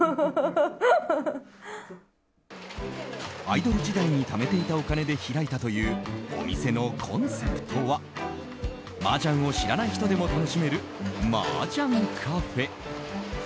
アイドル時代にためていたお金で開いたというお店のコンセプトは麻雀を知らない人でも楽しめる麻雀カフェ。